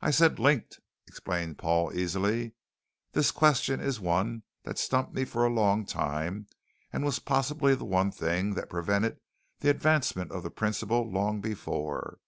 "I said 'linked'," explained Paul easily. "This question is one that stumped me for a long time and was possibly the one thing that prevented the advancement of the principle long before.